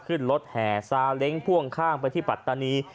ขึ้นรถแห่ซาเล้งพ่วงข้างไปที่ปัตตานี